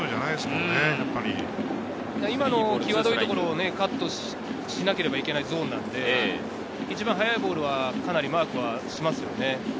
これは勝負球じゃないで今の際どいところをカットしなければいけないゾーンなので一番速いボールはかなりマークはしますよね。